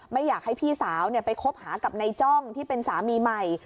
ไม่อยากให้พี่สาวไปคบหากับนายจ้องที่เป็นสามีใหม่